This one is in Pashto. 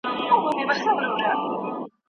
سکندر په ځان پسې و، میین نه و